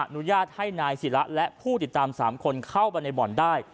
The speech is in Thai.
อนุญาตให้นายศิระและผู้ติดตาม๓คนเข้าไปในบ่อนได้